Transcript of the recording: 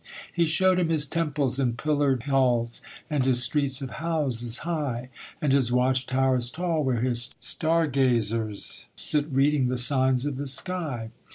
He showed him his temples and pillared halls, And his streets of houses high; And his watch towers tall, where his star gazers Sit reading the signs of the sky.